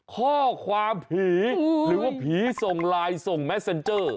ข้อความผีหรือว่าผีส่งไลน์ส่งแมสเซ็นเจอร์